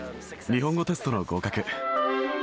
日本語テストの合格。